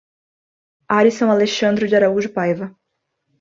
Arison Alexandro de Araújo Paiva